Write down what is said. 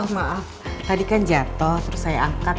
maaf tadi kan jatuh terus saya angkat